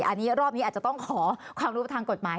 อันนี้รอบนี้อาจจะต้องขอความรู้ทางกฎหมาย